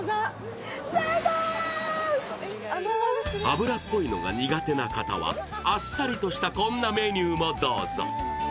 脂っぽいのが苦手な方は、あっさりとしたこんなメニューもどうぞ。